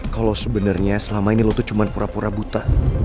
kalo sebenernya selama ini lu tuh cuma pura pura buta